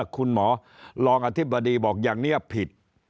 คุณหมอรองอธิบดีบอกอย่างนี้ผิด